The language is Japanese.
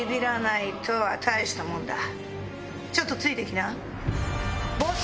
ちょっとついて来な。